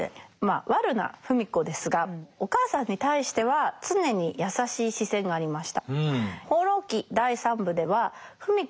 悪な芙美子ですがお母さんに対しては常に優しい視線がありました。